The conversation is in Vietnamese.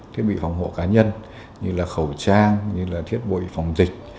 thiết bị phòng hộ cá nhân như là khẩu trang như là thiết bội phòng dịch